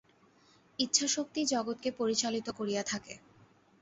ইচ্ছাশক্তিই জগৎকে পরিচালিত করিয়া থাকে।